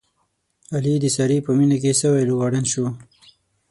علي د سارې په مینه کې سوی لوغړن شو.